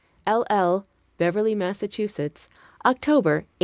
L.L. BEVERLY, MASSACHUSETTS, October, 1889.